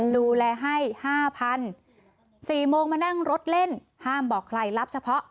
ดูแลให้๕๐๐๔โมงมานั่งรถเล่นห้ามบอกใครรับเฉพาะ